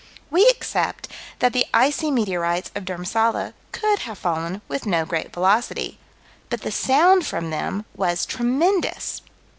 We accept that the icy meteorites of Dhurmsalla could have fallen with no great velocity, but the sound from them was tremendous.